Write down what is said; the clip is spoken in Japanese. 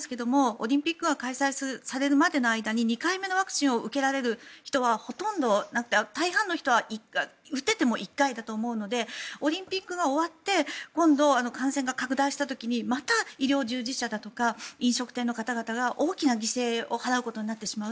オリンピックが開催されるまでの間に２回目のワクチンを受けられる人はほとんどいなくて大半の人は打てても１回だと思うのでオリンピックが終わって今度、感染が拡大した時にまた医療従事者だとか飲食店の方々が大きな犠牲を払うことになってしまう。